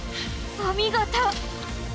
お見事！